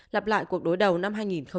lặp lại cuộc đối đầu năm hai nghìn hai mươi